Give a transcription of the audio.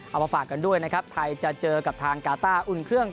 มาฝากกันด้วยนะครับไทยจะเจอกับทางกาต้าอุ่นเครื่อง